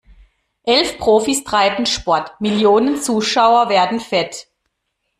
Elf Profis treiben Sport, Millionen Zuschauer werden fett.